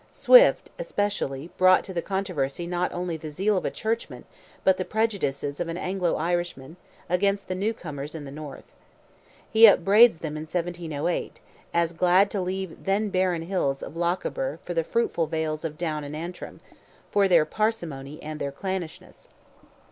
Swift, especially, brought to the controversy not only the zeal of a churchman, but the prejudices of an Anglo Irishman, against the new comers in the north. He upbraids them in 1708, as glad to leave their barren hills of Lochaber for the fruitful vales of Down and Antrim, for their parsimony and their clannishness.